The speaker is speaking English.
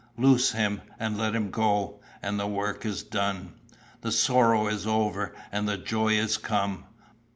'Loose him and let him go,' and the work is done. The sorrow is over, and the joy is come.